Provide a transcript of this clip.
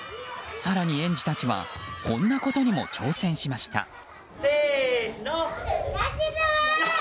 更に園児たちはこんなことにも挑戦しました。